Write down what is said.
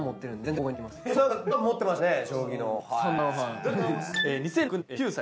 笑ってますねぇ。